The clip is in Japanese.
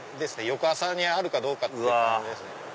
翌朝にあるかどうかっていう感じですね。